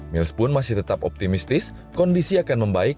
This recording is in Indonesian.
mils pun masih tetap optimistis kondisi akan membaik